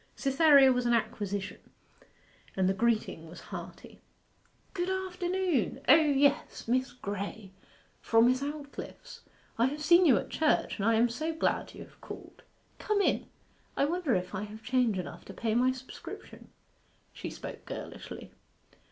Cytherea was an acquisition, and the greeting was hearty. 'Good afternoon! O yes Miss Graye, from Miss Aldclyffe's. I have seen you at church, and I am so glad you have called! Come in. I wonder if I have change enough to pay my subscription.' She spoke girlishly.